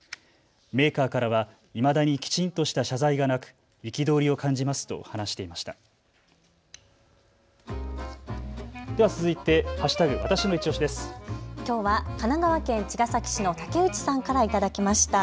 メーカーからはいまだにきちんとした謝罪がなく憤りを感じますと話していました。